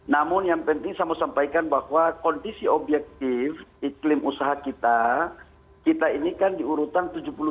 namun yang penting saya mau sampaikan bahwa kondisi objektif iklim usaha kita kita ini kan diurutan tujuh puluh dua